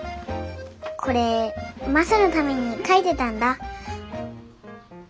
これマサのために描いてたんだ。